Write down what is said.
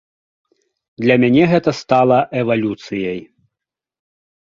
Для мяне гэта стала эвалюцыяй.